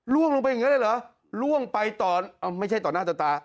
ลงไปอย่างนั้นเลยเหรอล่วงไปต่อไม่ใช่ต่อหน้าต่อตา